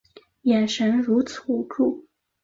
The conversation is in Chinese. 眼神如此无助